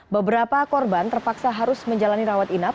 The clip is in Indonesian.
beberapa korban terpaksa harus menjalani rawat inap